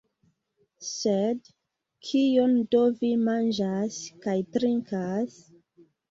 Sed kion do vi manĝas kaj trinkas?